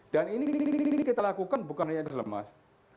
dan ini kita lakukan bukan hanya di slemas